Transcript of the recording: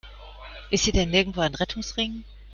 Ist hier denn nirgendwo ein Rettungsring?